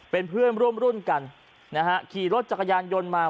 เป็นเพื่อนร่วมรุ่นกันนะฮะขี่รถจักรยานยนต์มา